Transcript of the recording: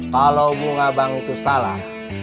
kalau bunga bank itu salah